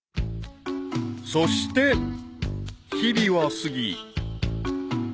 ［そして日々は過ぎ］